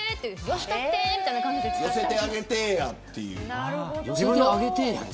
よせてあげてーやっていう。